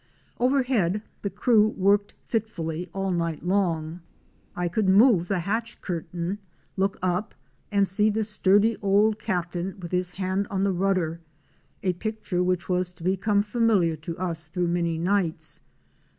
Overhead the crew worked fitfully all night long. I could move the hatch curtain, look up and see the sturdy old Captain with his hand on the rudder — a picture which was to become familiar to us through many nights.